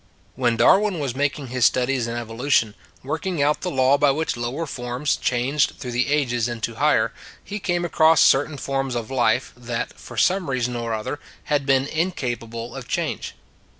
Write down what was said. When Darwin was making his studies in evolution, working out the law by which lower forms changed through the ages into higher, he came across certain forms of life that, for some reason or other, had been incapable of change.